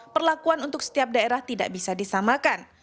perlakuan untuk setiap daerah tidak bisa disamakan